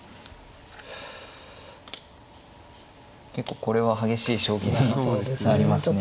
結構これは激しい将棋になりますね。